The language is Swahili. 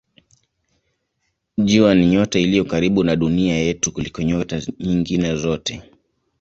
Jua ni nyota iliyo karibu na Dunia yetu kuliko nyota nyingine zote.